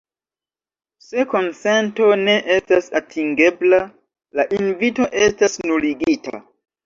Se konsento ne estas atingebla, la invito estas nuligita.